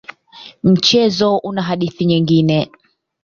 Mchezo una hadithi nyingine.